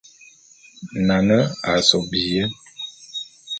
Nane a sob biyé.